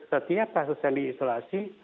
setiap kasus yang diisolasi